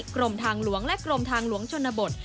กรมทางหลวงและกรมทางหลวงชนบท